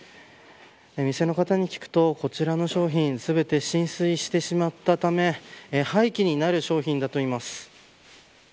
店の方に聞くとこちらの商品全て浸水してしまったため廃棄になる商品だといいます。